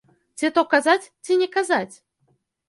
Ці то казаць, ці не казаць?